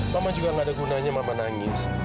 mama juga gak ada gunanya mama nangis